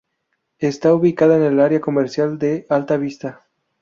Está ubicada en el área comercial de Alta Vista.